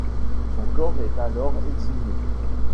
Son corps est alors exhumé.